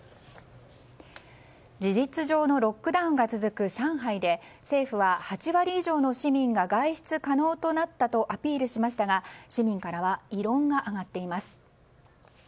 事実上のロックダウンが続く上海で政府は８割以上の市民が外出可能となったとアピールしましたが市民からは異論が上がっています。